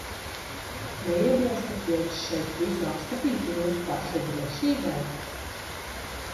Neiebilstat, ja es šeit visu apskatītu jūsu pašu drošībai?